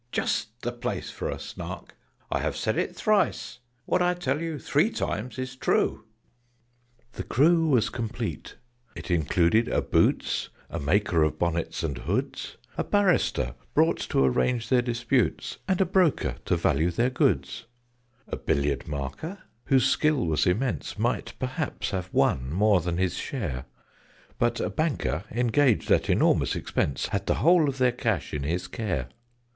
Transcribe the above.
Just the place for a Snark! I have said it thrice: What I tell you three times is true." The crew was complete: it included a Boots A maker of Bonnets and Hoods A Barrister, brought to arrange their disputes And a Broker, to value their goods. [Illustration: "SUPPORTING EACH MAN ON THE TOP OF THE TIDE"] A Billiard marker, whose skill was immense, Might perhaps have won more than his share But a Banker, engaged at enormous expense, Had the whole of their cash in his care.